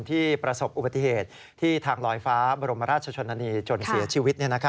ประสบอุบัติเหตุที่ทางลอยฟ้าบรมราชชนนานีจนเสียชีวิต